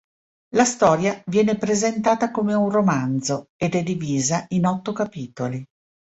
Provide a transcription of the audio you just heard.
La storia viene presentata come un romanzo, ed è divisa in otto capitoli.